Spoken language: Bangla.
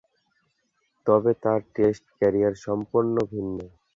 তবে তাঁর টেস্ট ক্যারিয়ার সম্পূর্ণ ভিন্ন।